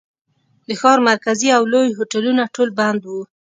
د ښار مرکزي او لوی هوټلونه ټول بند ول.